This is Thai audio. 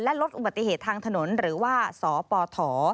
ลดอุบัติเหตุทางถนนหรือว่าสปฐ